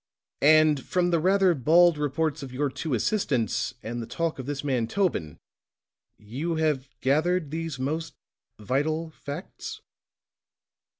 "And from the rather bald reports of your two assistants, and the talk of this man, Tobin, you have gathered these most vital facts?"